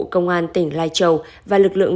công an tỉnh lai châu và lực lượng